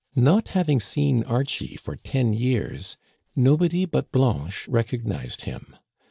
Not having seen Archie for ten years, nobody but Blanche recognized him.